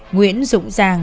nguyễn dũng giang